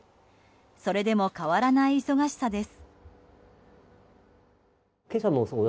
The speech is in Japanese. それでも変わらない忙しさです。